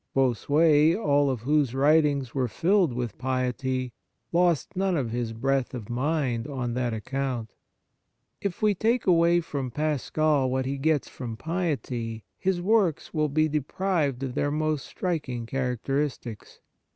Bossuet, all of whose writings were filled with piety, lost none of his breadth of mind on that account. If we take away from Pascal what he gets from piety, his works will be deprived of their most striking characteristics.